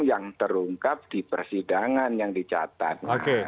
yang terungkap di persidangan yang dicatat